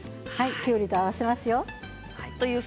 きゅうりと合わせますよ。